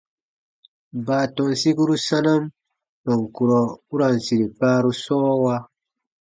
Baatɔn sikuru sanam tɔn kurɔ u ra n sire kaaru sɔɔwa.